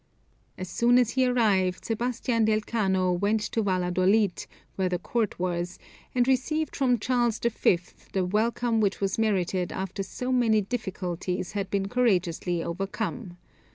As soon as he arrived, Sebastian del Cano went to Valladolid, where the court was, and received from Charles V. the welcome which was merited after so many difficulties had been courageously overcome.